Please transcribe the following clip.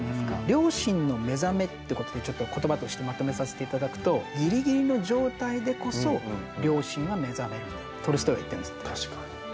良心の目覚めってことでちょっとことばとしてまとめさせていただくとぎりぎりの状態でこそ良心は目覚めるんだとトルストイは言っているんです。